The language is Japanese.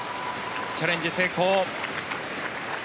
チャレンジ成功。